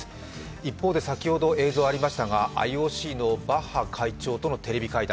一方で先ほど映像がありましたが、ＩＯＣのバッハ会長とのテレビ会談。